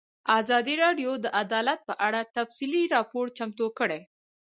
ازادي راډیو د عدالت په اړه تفصیلي راپور چمتو کړی.